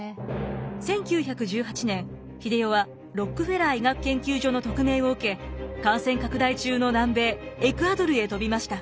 １９１８年英世はロックフェラー医学研究所の特命を受け感染拡大中の南米エクアドルへ飛びました。